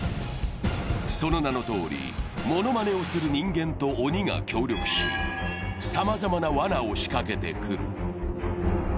その名のとおり、モノマネをする人間と鬼が協力し、さまざまなわなを仕掛けてくる。